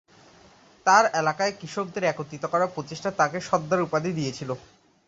তাঁর এলাকার কৃষকদের একত্রিত করার প্রচেষ্টা তাঁকে 'সর্দার' উপাধি দিয়েছিল।